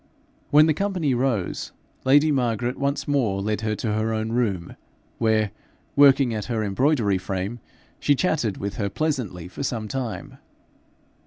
When the company rose, lady Margaret once more led her to her own room, where, working at her embroidery frame, she chatted with her pleasantly for some time.